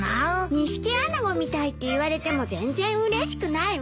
ニシキアナゴみたいって言われても全然うれしくないわ。